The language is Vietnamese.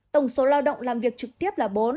tổng số lao động làm việc trực tiếp là bốn